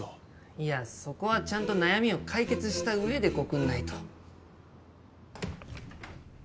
いやそこはちゃんと悩みを解決した上でコクんないと。